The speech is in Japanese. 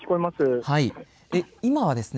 今はですね